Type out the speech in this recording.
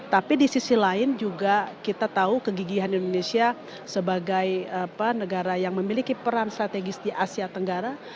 tapi di sisi lain juga kita tahu kegigihan indonesia sebagai negara yang memiliki peran strategis di asia tenggara